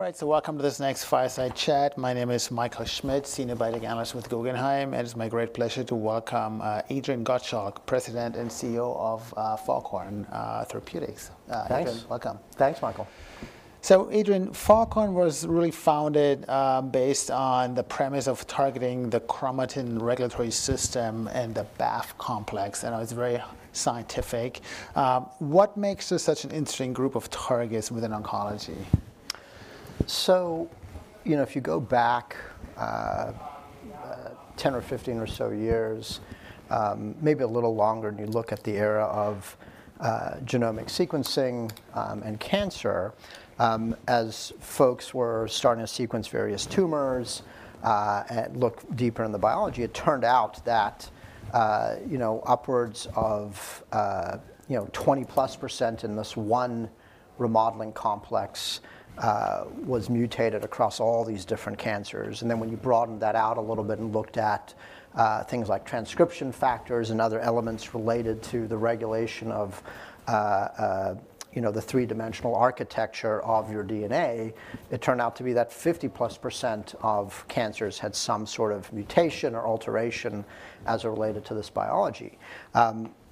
Right, so welcome to this next fireside chat. My name is Michael Schmidt, senior biotech analyst with Guggenheim, and it's my great pleasure to welcome Adrian Gottschalk, President and CEO of Foghorn Therapeutics. Thanks. Adrian, welcome. Thanks, Michael. So Adrian, Foghorn was really founded based on the premise of targeting the chromatin regulatory system and the BAF complex, and it's very scientific. What makes this such an interesting group of targets within oncology? So, you know, if you go back, 10 or 15 or so years, maybe a little longer, and you look at the era of, genomic sequencing, and cancer, as folks were starting to sequence various tumors, and look deeper in the biology, it turned out that, you know, upwards of, you know, 20+% in this one remodeling complex, was mutated across all these different cancers. And then when you broadened that out a little bit and looked at, things like transcription factors and other elements related to the regulation of, you know, the three-dimensional architecture of your DNA, it turned out to be that 50+% of cancers had some sort of mutation or alteration as it related to this biology.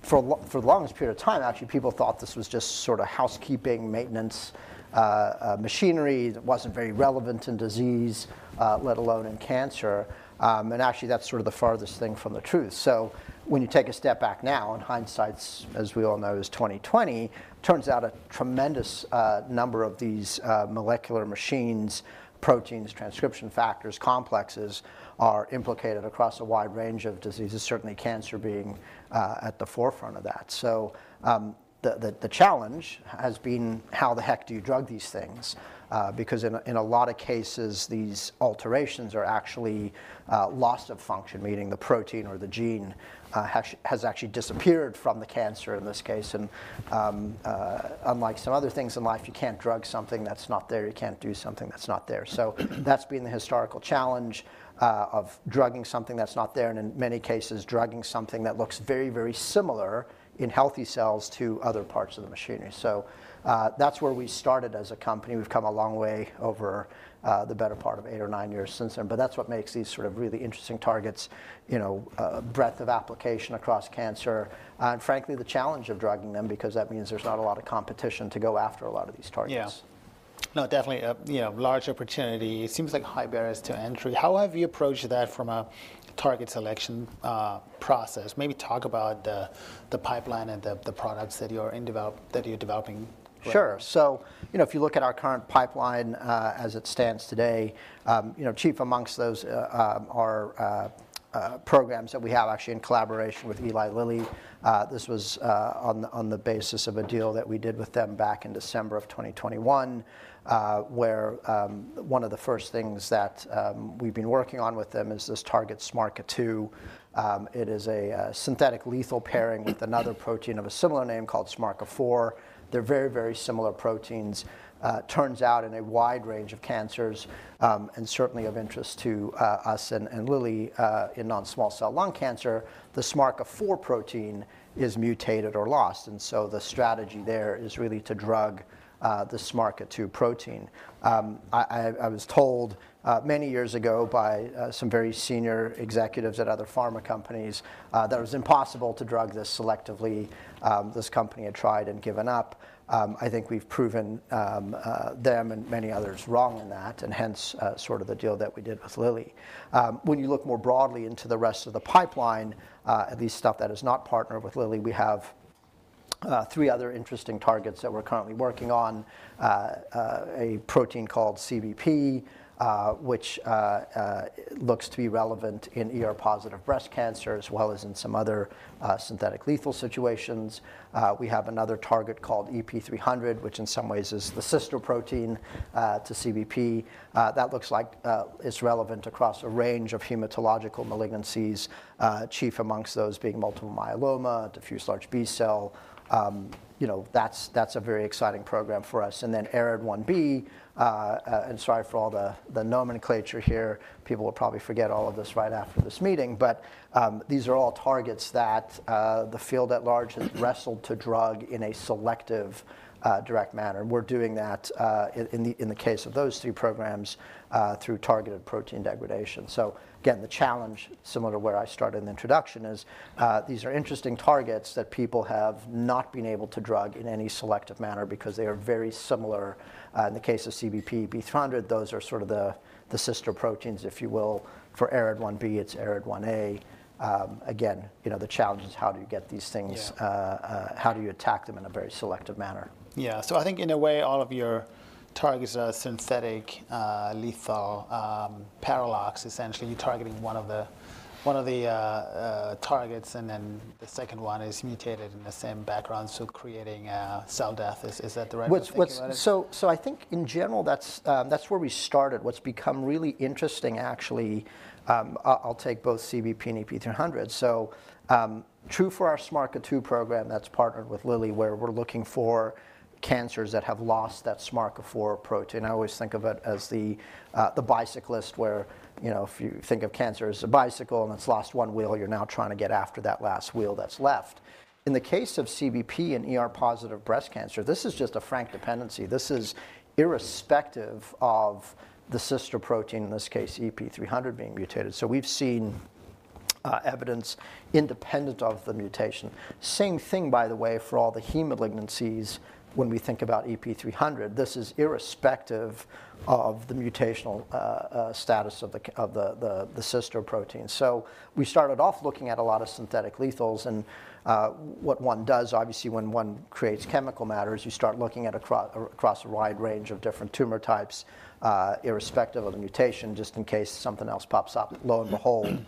For the longest period of time, actually, people thought this was just sort of housekeeping, maintenance, machinery, that wasn't very relevant in disease, let alone in cancer. And actually, that's sort of the farthest thing from the truth. So when you take a step back now, and hindsight, as we all know, is 20/20, turns out a tremendous number of these molecular machines, proteins, transcription factors, complexes, are implicated across a wide range of diseases, certainly cancer being at the forefront of that. So, the challenge has been, how the heck do you drug these things? Because in a lot of cases, these alterations are actually loss of function, meaning the protein or the gene has actually disappeared from the cancer in this case. Unlike some other things in life, you can't drug something that's not there. You can't do something that's not there. So that's been the historical challenge of drugging something that's not there, and in many cases, drugging something that looks very, very similar in healthy cells to other parts of the machinery. So that's where we started as a company. We've come a long way over the better part of eight or nine years since then, but that's what makes these sort of really interesting targets, you know, breadth of application across cancer. And frankly, the challenge of drugging them, because that means there's not a lot of competition to go after a lot of these targets. Yeah. No, definitely a, you know, large opportunity. It seems like high barriers to entry. How have you approached that from a target selection process? Maybe talk about the pipeline and the products that you're developing. Sure. So, you know, if you look at our current pipeline as it stands today, you know, chief amongst those are programs that we have actually in collaboration with Eli Lilly. This was on the basis of a deal that we did with them back in December of 2021, where one of the first things that we've been working on with them is this target SMARCA2. It is a synthetic lethal pairing with another protein of a similar name called SMARCA4. They're very, very similar proteins. Turns out in a wide range of cancers, and certainly of interest to us and Lilly in non-small cell lung cancer, the SMARCA4 protein is mutated or lost, and so the strategy there is really to drug the SMARCA2 protein. I was told many years ago by some very senior executives at other pharma companies that it was impossible to drug this selectively. This company had tried and given up. I think we've proven them and many others wrong on that, and hence sort of the deal that we did with Lilly. When you look more broadly into the rest of the pipeline, at least stuff that is not partnered with Lilly, we have three other interesting targets that we're currently working on. A protein called CBP, which looks to be relevant in ER-positive breast cancer, as well as in some other synthetic lethal situations. We have another target called EP300, which in some ways is the sister protein to CBP. That looks like it's relevant across a range of hematological malignancies, chief amongst those being multiple myeloma, diffuse large B-cell. You know, that's a very exciting program for us. And then ARID1B, and sorry for all the nomenclature here. People will probably forget all of this right after this meeting, but these are all targets that the field at large has wrestled to drug in a selective direct manner. We're doing that in the case of those three programs through targeted protein degradation. So again, the challenge, similar to where I started in the introduction, is these are interesting targets that people have not been able to drug in any selective manner because they are very similar. In the case of CBP, EP300, those are sort of the, the sister proteins, if you will, for ARID1B, it's ARID1A. Again, you know, the challenge is how do you get these things- Yeah. How do you attack them in a very selective manner? Yeah. So I think in a way, all of your targets are synthetic lethal paralogs. Essentially, you're targeting one of the targets, and then the second one is mutated in the same background, so creating a cell death. Is that the right way to think about it? I think in general, that's where we started. What's become really interesting, actually, I'll take both CBP and EP300. So, true for our SMARCA2 program that's partnered with Lilly, where we're looking for cancers that have lost that SMARCA4 protein. I always think of it as the bicyclist where, you know, if you think of cancer as a bicycle and it's lost one wheel, you're now trying to get after that last wheel that's left. In the case of CBP and ER-positive breast cancer, this is just a frank dependency. This is irrespective of the sister protein, in this case, EP300 being mutated. So we've seen evidence independent of the mutation. Same thing, by the way, for all the heme malignancies, when we think about EP300, this is irrespective of the mutational status of the sister protein. So we started off looking at a lot of synthetic lethals, and what one does, obviously, when one creates chemical matter, is you start looking across a wide range of different tumor types, irrespective of the mutation, just in case something else pops up. Lo and behold,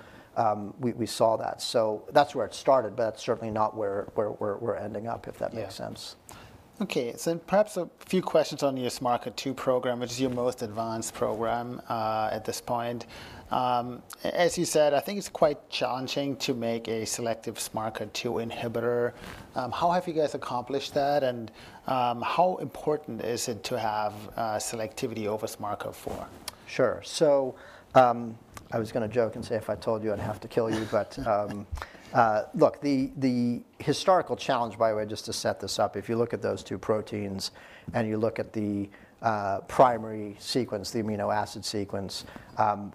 we saw that. So that's where it started, but that's certainly not where we're ending up, if that makes sense. Yeah. Okay, so perhaps a few questions on your SMARCA2 program, which is your most advanced program, at this point. As you said, I think it's quite challenging to make a selective SMARCA2 inhibitor. How have you guys accomplished that, and, how important is it to have, selectivity over SMARCA4? Sure. So, I was going to joke and say, if I told you, I'd have to kill you. But, look, the historical challenge, by the way, just to set this up, if you look at those two proteins and you look at the primary sequence, the amino acid sequence,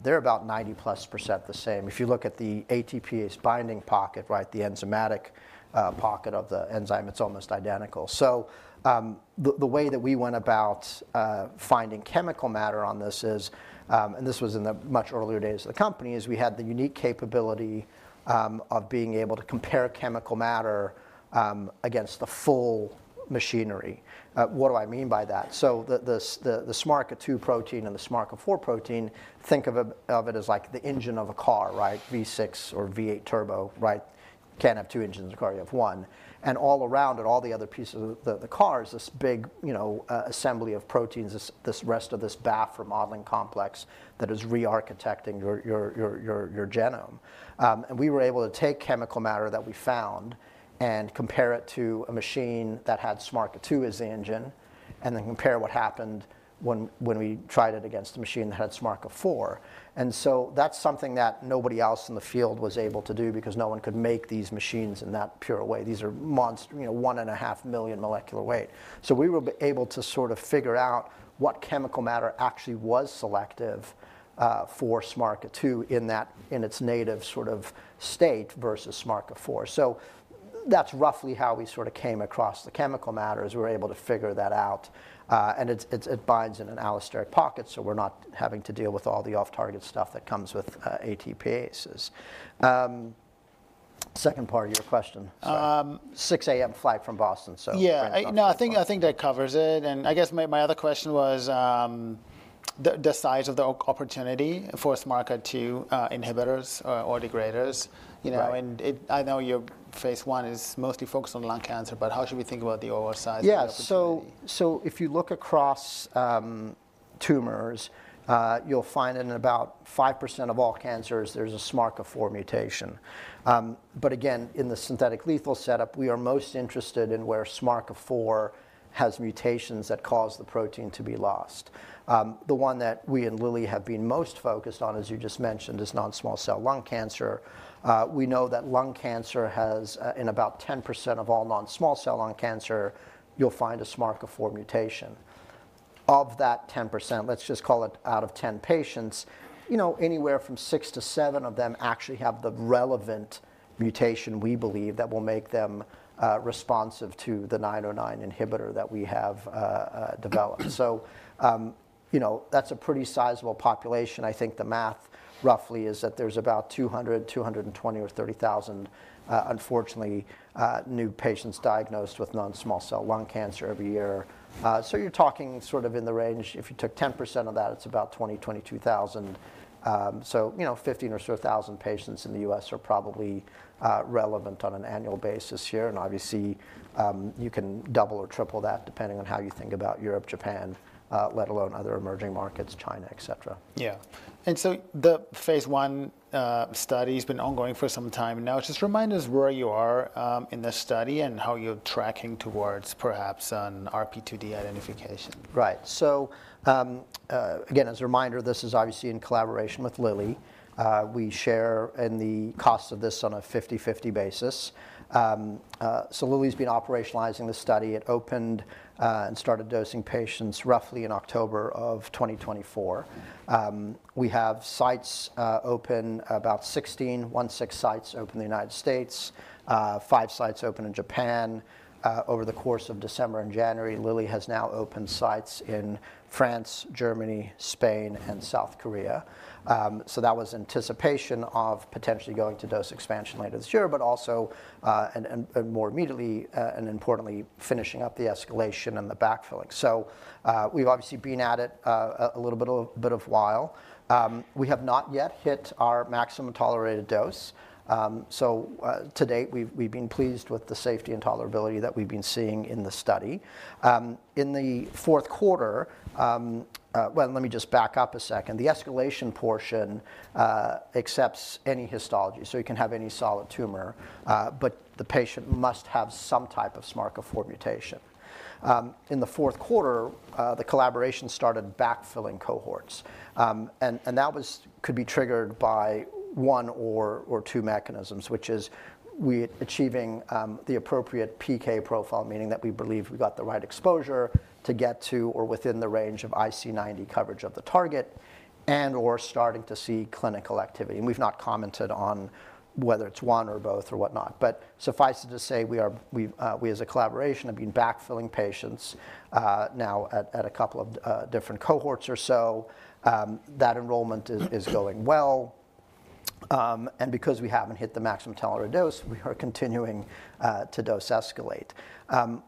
they're about 90+% the same. If you look at the ATPase binding pocket, right, the enzymatic pocket of the enzyme, it's almost identical. So, the way that we went about finding chemical matter on this is, and this was in the much earlier days of the company, is we had the unique capability of being able to compare chemical matter against the full machinery. What do I mean by that? So the SMARCA2 protein and the SMARCA4 protein, think of it as like the engine of a car, right? V6 or V8 turbo, right? Can't have two engines in a car, you have one, and all around it, all the other pieces of the car is this big, you know, assembly of proteins, this rest of this BAF remodeling complex that is rearchitecting your genome. And we were able to take chemical matter that we found and compare it to a machine that had SMARCA2 as the engine, and then compare what happened when we tried it against a machine that had SMARCA4. And so that's something that nobody else in the field was able to do, because no one could make these machines in that pure a way. These are monster, you know, 1.5 million molecular weight. So we were able to sort of figure out what chemical matter actually was selective for SMARCA2 in its native sort of state versus SMARCA4. So that's roughly how we sorta came across the chemical matters. We were able to figure that out, and it binds in an allosteric pocket, so we're not having to deal with all the off-target stuff that comes with ATPases. Second part of your question. 6 A.M. flight from Boston, so- Yeah. Brain's not- No, I think that covers it, and I guess my other question was the size of the opportunity for SMARCA2 inhibitors or degraders, you know? Right. I know your phase I is mostly focused on lung cancer, but how should we think about the overall size of the opportunity? Yeah. So, so if you look across, tumors, you'll find in about 5% of all cancers, there's a SMARCA4 mutation. But again, in the synthetic lethal setup, we are most interested in where SMARCA4 has mutations that cause the protein to be lost. The one that we and Lilly have been most focused on, as you just mentioned, is non-small cell lung cancer. We know that lung cancer has, in about 10% of all non-small cell lung cancer, you'll find a SMARCA4 mutation. Of that 10%, let's just call it out of 10 patients, you know, anywhere from six to seven of them actually have the relevant mutation, we believe, that will make them responsive to the 909 inhibitor that we have developed. So, you know, that's a pretty sizable population. I think the math roughly is that there's about 200, 220 or 230,000, unfortunately, new patients diagnosed with non-small cell lung cancer every year. So you're talking sort of in the range, if you took 10% of that, it's about 20, 22,000. So, you know, 15 or so thousand patients in the U.S. are probably, relevant on an annual basis here. And obviously, you can double or triple that depending on how you think about Europe, Japan, let alone other emerging markets, China, et cetera. Yeah. And so the phase I study's been ongoing for some time now. Just remind us where you are in the study and how you're tracking towards perhaps an RP2D identification? Right. So, again, as a reminder, this is obviously in collaboration with Lilly. We share in the cost of this on a 50/50 basis. So Lilly's been operationalizing the study. It opened and started dosing patients roughly in October of 2024. We have sites open, about 16 sites open in the United States, five sites open in Japan. Over the course of December and January, Lilly has now opened sites in France, Germany, Spain, and South Korea. So that was anticipation of potentially going to dose expansion later this year, but also and more immediately and importantly, finishing up the escalation and the backfilling. So, we've obviously been at it a little bit while. We have not yet hit our maximum tolerated dose. So, to date, we've been pleased with the safety and tolerability that we've been seeing in the study. In the fourth quarter, well, let me just back up a second. The escalation portion accepts any histology, so you can have any solid tumor, but the patient must have some type of SMARCA4 mutation. In the fourth quarter, the collaboration started backfilling cohorts. And that was—could be triggered by one or two mechanisms, which is we achieving the appropriate PK profile, meaning that we believe we got the right exposure to get to or within the range of IC90 coverage of the target... and/or starting to see clinical activity. We've not commented on whether it's one or both or whatnot, but suffice it to say, we've, we as a collaboration, have been backfilling patients now at a couple of different cohorts or so. That enrollment is going well. And because we haven't hit the maximum tolerated dose, we are continuing to dose escalate.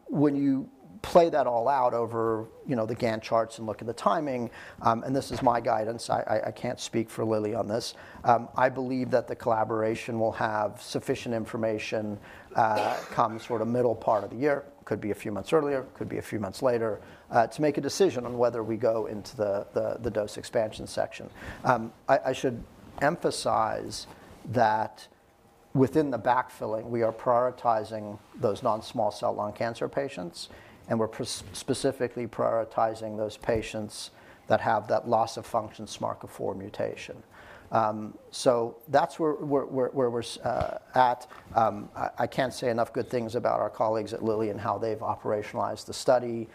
When you play that all out over, you know, the Gantt charts and look at the timing, and this is my guidance, I can't speak for Lilly on this, I believe that the collaboration will have sufficient information come sort of middle part of the year, could be a few months earlier, could be a few months later, to make a decision on whether we go into the dose expansion section. I should emphasize that within the backfilling, we are prioritizing those non-small cell lung cancer patients, and we're specifically prioritizing those patients that have that loss-of-function SMARCA4 mutation. So that's where we're at. I can't say enough good things about our colleagues at Lilly and how they've operationalized the study.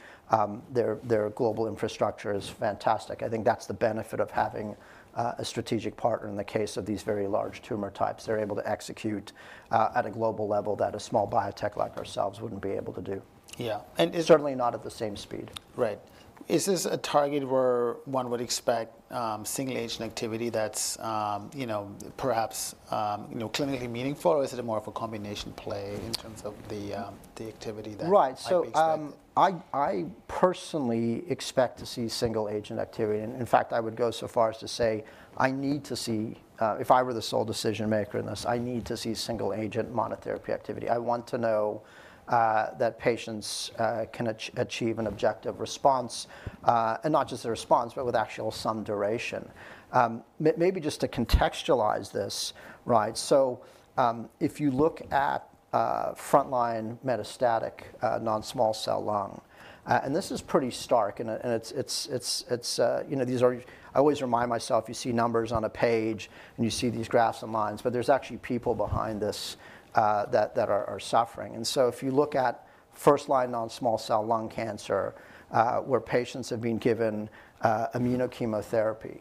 Their global infrastructure is fantastic. I think that's the benefit of having a strategic partner in the case of these very large tumor types. They're able to execute at a global level that a small biotech like ourselves wouldn't be able to do. Yeah, and is- Certainly not at the same speed. Right. Is this a target where one would expect single agent activity that's you know, perhaps you know, clinically meaningful, or is it more of a combination play in terms of the activity that- Right. Might be expected? So, I personally expect to see single agent activity, and in fact, I would go so far as to say, I need to see, if I were the sole decision-maker in this, I need to see single agent monotherapy activity. I want to know that patients can achieve an objective response, and not just a response, but with actual some duration. Maybe just to contextualize this, right? So, if you look at frontline metastatic non-small cell lung, and this is pretty stark, and it's, you know, these are... I always remind myself, you see numbers on a page, and you see these graphs and lines, but there's actually people behind this that are suffering. So if you look at first-line non-small cell lung cancer, where patients have been given immunochemotherapy,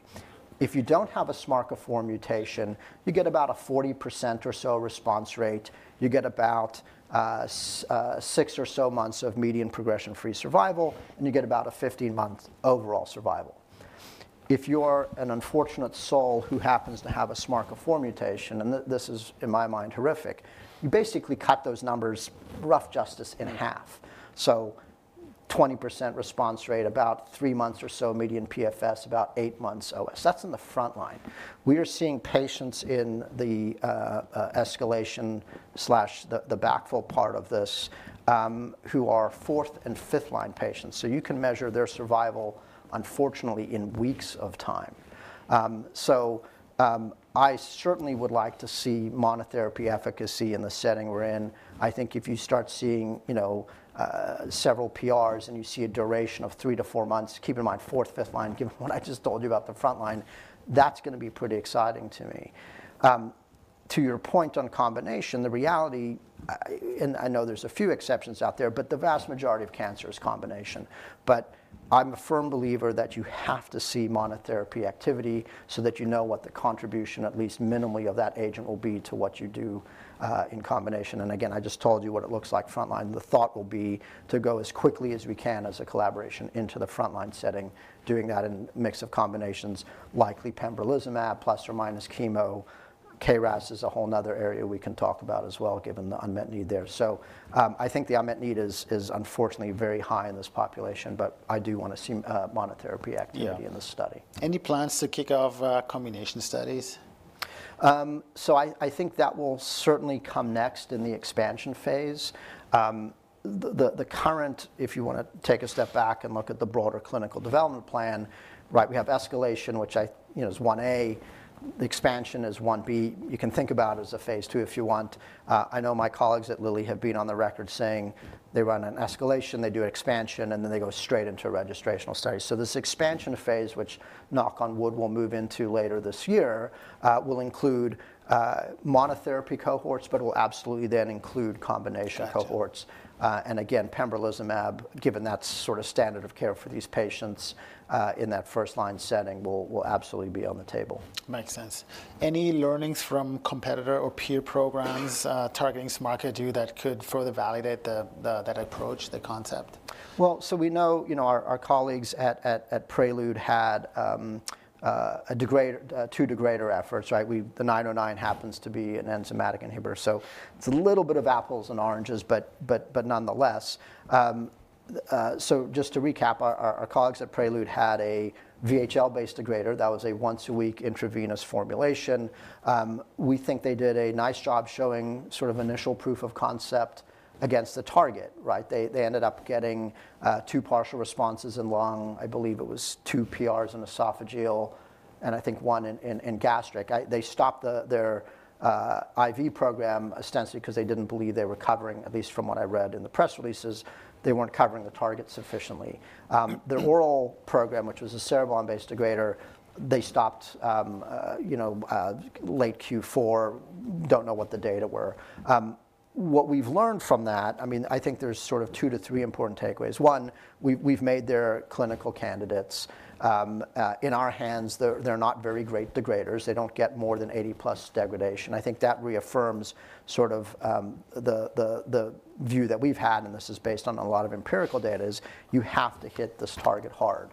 if you don't have a SMARCA4 mutation, you get about a 40% or so response rate, you get about six or so months of median progression-free survival, and you get about a 15-month overall survival. If you're an unfortunate soul who happens to have a SMARCA4 mutation, and this is, in my mind, horrific, you basically cut those numbers, rough justice, in half. So 20% response rate, about three months or so, median PFS, about eight months OS. That's in the front line. We are seeing patients in the escalation/the backfill part of this, who are fourth- and fifth-line patients. So you can measure their survival, unfortunately, in weeks of time. So, I certainly would like to see monotherapy efficacy in the setting we're in. I think if you start seeing, you know, several PRs and you see a duration of three to four months, keep in mind, fourth, fifth line, given what I just told you about the front line, that's gonna be pretty exciting to me. To your point on combination, the reality, I... and I know there's a few exceptions out there, but the vast majority of cancer is combination. But I'm a firm believer that you have to see monotherapy activity so that you know what the contribution, at least minimally, of that agent will be to what you do in combination. And again, I just told you what it looks like front line. The thought will be to go as quickly as we can as a collaboration into the front line setting, doing that in a mix of combinations, likely pembrolizumab, plus or minus chemo. KRAS is a whole another area we can talk about as well, given the unmet need there. So, I think the unmet need is unfortunately very high in this population, but I do wanna see monotherapy activity- Yeah... in this study. Any plans to kick off, combination studies? So I think that will certainly come next in the expansion phase. The current, if you wanna take a step back and look at the broader clinical development plan, right? We have escalation, which you know is 1A, expansion is 1B. You can think about as a phase II if you want. I know my colleagues at Lilly have been on the record saying they run an escalation, they do expansion, and then they go straight into a registrational study. So this expansion phase, which, knock on wood, we'll move into later this year, will include monotherapy cohorts, but will absolutely then include combination cohorts. Gotcha. And again, pembrolizumab, given that's sort of standard of care for these patients, in that first-line setting, will absolutely be on the table. Makes sense. Any learnings from competitor or peer programs targeting SMARCA2 that could further validate the approach, the concept? Well, so we know, you know, our colleagues at Prelude had a degrader, two degrader efforts, right? The 909 happens to be an enzymatic inhibitor, so it's a little bit of apples and oranges, but nonetheless. So just to recap, our colleagues at Prelude had a VHL-based degrader that was a once-a-week intravenous formulation. We think they did a nice job showing sort of initial proof of concept against the target, right? They ended up getting two partial responses in lung, I believe it was two PRs in esophageal, and I think one in gastric. They stopped their IV program ostensibly because they didn't believe they were covering, at least from what I read in the press releases, they weren't covering the target sufficiently. Their oral program, which was a cereblon-based degrader, they stopped, you know, late Q4. Don't know what the data were. What we've learned from that, I mean, I think there's sort of two to three important takeaways. One, we've made their clinical candidates in our hands, they're not very great degraders. They don't get more than 80+ degradation. I think that reaffirms sort of the view that we've had, and this is based on a lot of empirical data, is you have to hit this target hard.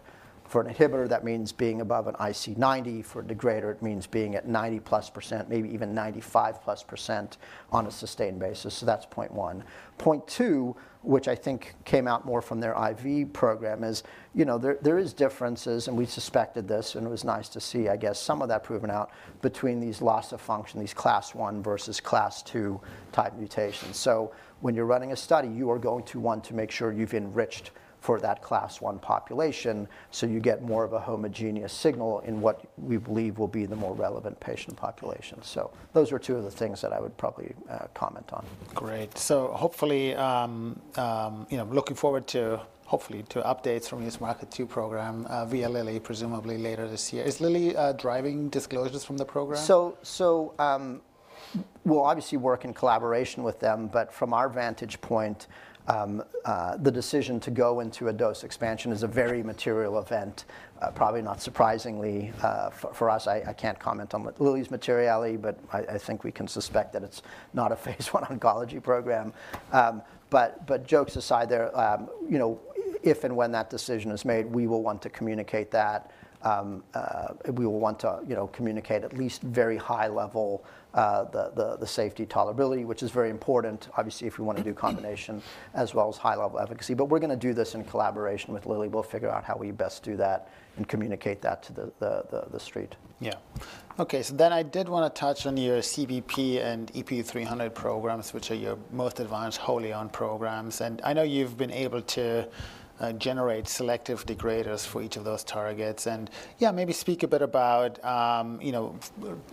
For an inhibitor, that means being above an IC90. For a degrader, it means being at 90+%, maybe even 95+% on a sustained basis. So that's point one. Point two, which I think came out more from their IV program, is, you know, there, there is differences, and we suspected this, and it was nice to see, I guess, some of that proven out between these loss of function, these class one versus class two type mutations. So when you're running a study, you are going to want to make sure you've enriched for that class one population, so you get more of a homogeneous signal in what we believe will be the more relevant patient population. So those are two of the things that I would probably comment on. Great. So hopefully, you know, looking forward to, hopefully, to updates from this SMARCA2 program via Lilly, presumably later this year. Is Lilly driving disclosures from the program? We'll obviously work in collaboration with them, but from our vantage point, the decision to go into a dose expansion is a very material event, probably not surprisingly, for us. I can't comment on Lilly's materiality, but I think we can suspect that it's not a phase I oncology program. But jokes aside there, you know, if and when that decision is made, we will want to communicate that. We will want to, you know, communicate at least very high level, the safety tolerability, which is very important, obviously, if we want to do combination as well as high-level efficacy. But we're gonna do this in collaboration with Lilly. We'll figure out how we best do that and communicate that to the street. Yeah. Okay, so then I did wanna touch on your CBP and EP300 programs, which are your most advanced wholly owned programs. And I know you've been able to generate selective degraders for each of those targets. And, yeah, maybe speak a bit about, you know,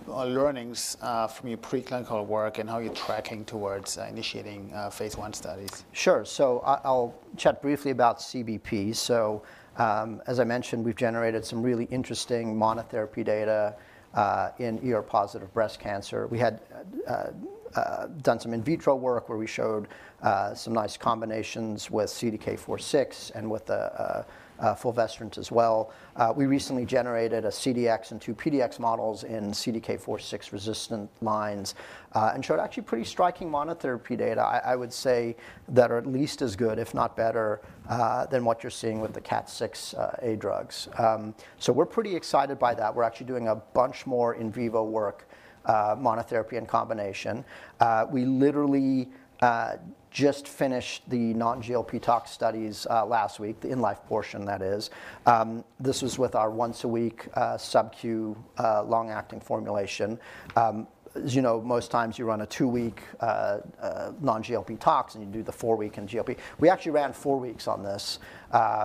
learnings from your preclinical work and how you're tracking towards initiating phase one studies. Sure. So I'll chat briefly about CBP. So, as I mentioned, we've generated some really interesting monotherapy data in ER-positive breast cancer. We had done some in vitro work where we showed some nice combinations with CDK4/6 and with the fulvestrant as well. We recently generated a CDX and two PDX models in CDK4/6-resistant lines and showed actually pretty striking monotherapy data. I would say that are at least as good, if not better, than what you're seeing with the CDK4/6 drugs. So we're pretty excited by that. We're actually doing a bunch more in vivo work, monotherapy and combination. We literally just finished the non-GLP tox studies last week, the in life portion, that is. This was with our once a week subQ long-acting formulation. As you know, most times you run a two-week non-GLP tox, and you do the four-week in GLP. We actually ran four weeks on this,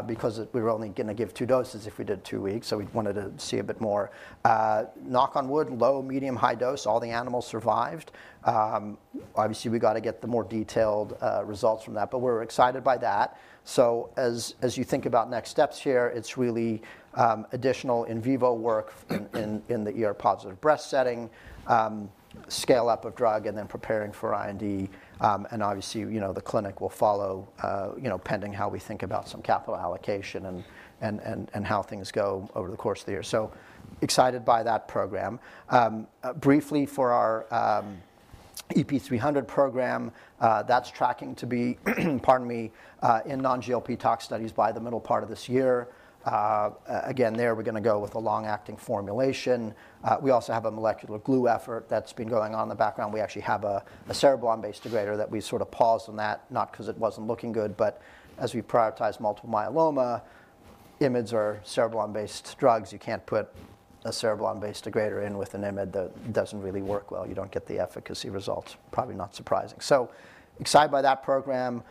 because we were only gonna give two doses if we did two weeks, so we wanted to see a bit more. Knock on wood, low, medium, high dose, all the animals survived. Obviously, we got to get the more detailed results from that, but we're excited by that. So as you think about next steps here, it's really additional in vivo work in the ER-positive breast setting, scale up of drug, and then preparing for IND. And obviously, you know, the clinic will follow, you know, pending how we think about some capital allocation and how things go over the course of the year. So excited by that program. Briefly for our EP300 program, that's tracking to be, pardon me, in non-GLP tox studies by the middle part of this year. Again, there, we're gonna go with a long-acting formulation. We also have a molecular glue effort that's been going on in the background. We actually have a cereblon-based degrader that we sort of paused on that, not 'cause it wasn't looking good, but as we prioritize multiple myeloma, IMiDs are cereblon-based drugs. You can't put a cereblon-based degrader in with an IMiD, that doesn't really work well. You don't get the efficacy results. Probably not surprising. So excited by that program.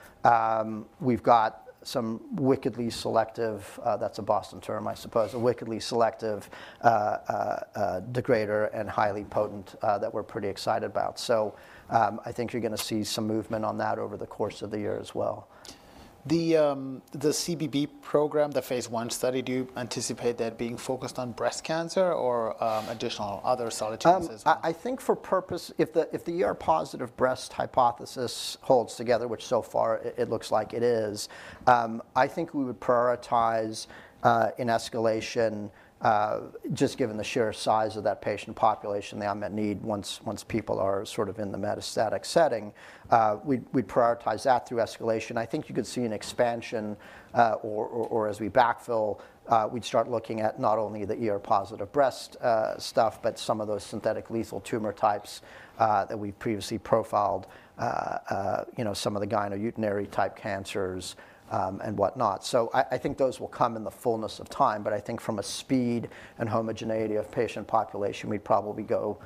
We've got some wickedly selective, that's a Boston term, I suppose, a wickedly selective degrader and highly potent that we're pretty excited about. I think you're gonna see some movement on that over the course of the year as well. The CBP program, the phase I study, do you anticipate that being focused on breast cancer or additional other solid cancers? I think for purpose, if the ER-positive breast hypothesis holds together, which so far it looks like it is, I think we would prioritize in escalation just given the sheer size of that patient population, the unmet need, once people are sort of in the metastatic setting, we'd prioritize that through escalation. I think you could see an expansion or as we backfill, we'd start looking at not only the ER-positive breast stuff, but some of those synthetic lethal tumor types that we previously profiled, you know, some of the genitourinary type cancers, and whatnot. So I think those will come in the fullness of time, but I think from a speed and homogeneity of patient population, we'd probably go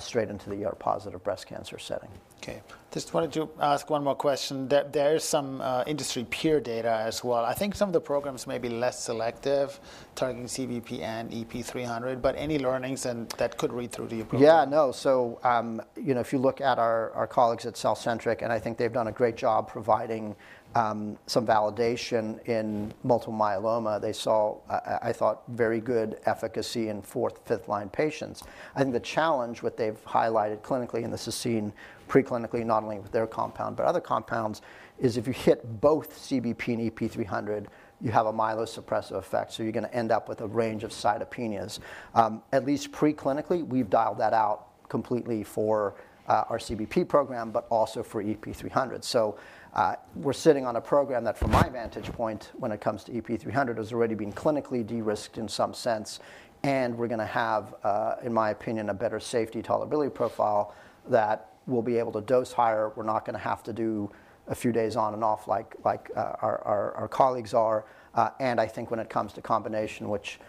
straight into the ER-positive breast cancer setting. Okay. Just wanted to ask one more question. There is some industry peer data as well. I think some of the programs may be less selective, targeting CBP and EP300, but any learnings, and that could read through the approval? Yeah, no. So, you know, if you look at our colleagues at CellCentric, and I think they've done a great job providing some validation in multiple myeloma, they saw, I thought, very good efficacy in fourth, fifth-line patients. I think the challenge, what they've highlighted clinically, and this is seen preclinically, not only with their compound but other compounds, is if you hit both CBP and EP300, you have a myelosuppressive effect, so you're gonna end up with a range of cytopenias. At least preclinically, we've dialed that out completely for our CBP program, but also for EP300. We're sitting on a program that, from my vantage point, when it comes to EP300, has already been clinically de-risked in some sense, and we're gonna have, in my opinion, a better safety tolerability profile that will be able to dose higher. We're not gonna have to do a few days on and off like our colleagues are. I think when it comes to combination, which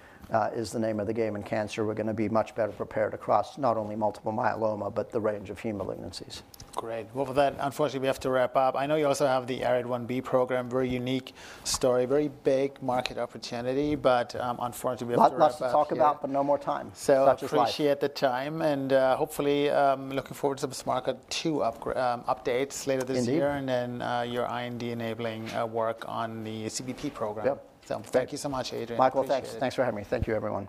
is the name of the game in cancer, we're gonna be much better prepared across not only multiple myeloma, but the range of heme malignancies. Great. Well, with that, unfortunately, we have to wrap up. I know you also have the ARID1B program, very unique story, very big market opportunity, but, unfortunately, we have to wrap up. Lots, lots to talk about, but no more time. So- Such is life. I appreciate the time, and hopefully looking forward to some market updates later this year. Indeed... and then, your IND-enabling work on the CBP program. Yep. Thank you so much, Adrian. Michael, thanks. Appreciate it. Thanks for having me. Thank you, everyone.